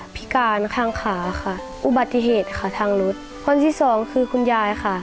พิการข้างขาค่ะอุบัติเหตุค่ะทางรถคนที่สองคือคุณยายค่ะ